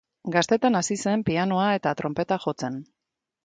Gaztetan hasi zen pianoa eta tronpeta jotzen.